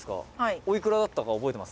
「おいくらだったか覚えてます？」